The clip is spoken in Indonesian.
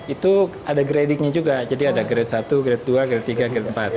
itu ada gradingnya juga jadi ada grade satu grade dua grade tiga grade empat